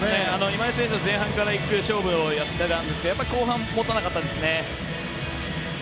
今井選手は前半から勝負をやっていたんですが後半、もたなかったですね。